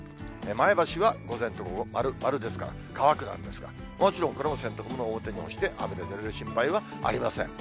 前橋は午前と午後、丸、丸ですから、乾くなんですが、もちろんこれも洗濯物、表に干して雨にぬれる心配はありません。